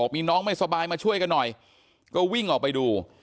มีน้องไม่สบายมาช่วยกันหน่อยก็วิ่งออกไปดู